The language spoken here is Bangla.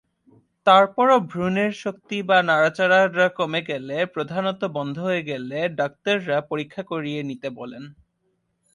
তারপরও ভ্রূণের শক্তি বা নড়াচড়া কমে গেলে, প্রধানত বন্ধ হয়ে গেলে, ডাক্তাররা পরিক্ষা করিয়ে নিতে বলেন।